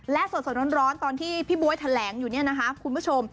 และสดร้อนตอนที่พี่บ๊วยแถลงอยู่เนี่ยนะคะคุณผู้ชม